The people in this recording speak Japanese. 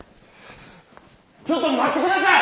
ちょっと待って下さい！